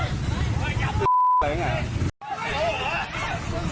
เฮ้อเอาอีก